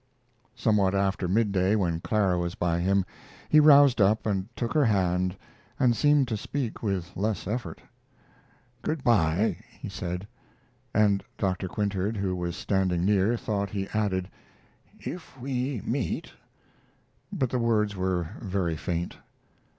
Somewhat after midday, when Clara was by him, he roused up and took her hand, and seemed to speak with less effort. "Good by," he said, and Dr. Quintard, who was standing near, thought he added: "If we meet" but the words were very faint.